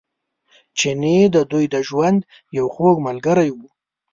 چیني د دوی د ژوند یو خوږ ملګری و.